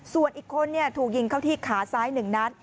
ส่วนอีกคนถูกยิงเข้าที่ขาซ้าย๑นัด